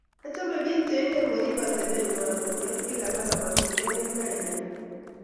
Achame bik che ingen korip atabet ngwai komii ak biik alak amatun kengem kainengwai